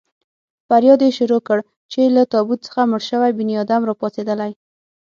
فریاد يې شروع کړ چې له تابوت څخه مړ شوی بنیادم را پاڅېدلی.